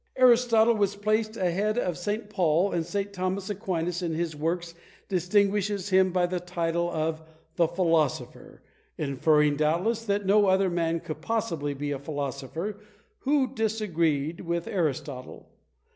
Aristotle was placed a head of St. Paul; and St. Thomas Aquinas in his works distinguishes him by the title of "The Philosopher;" inferring, doubtless, that no other man could possibly be a philosopher who disagreed with Aristotle.